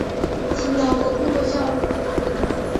勤劳和工作效率